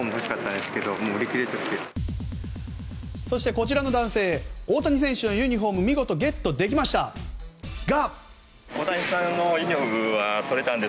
こちらの男性、大谷選手のユニホーム見事ゲットできましたが。